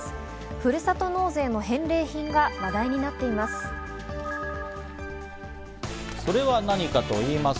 ふるさと納税の返礼品が話題になっています。